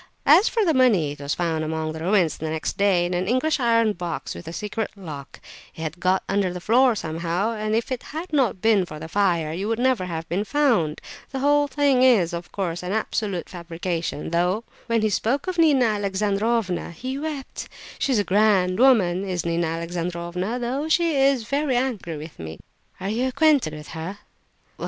As for the money, it was found among the ruins next day in an English iron box with a secret lock; it had got under the floor somehow, and if it had not been for the fire it would never have been found! The whole thing is, of course, an absolute fabrication, though when he spoke of Nina Alexandrovna he wept! She's a grand woman, is Nina Alexandrovna, though she is very angry with me!" "Are you acquainted with her?"